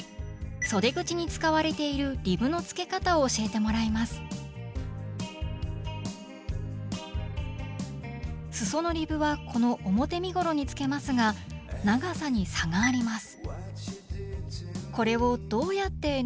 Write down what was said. そで口に使われているリブのつけ方を教えてもらいますすそのリブはこの表身ごろにつけますが長さに差があります。